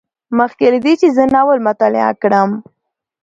مخکې له دې چې زه ناول مطالعه کړم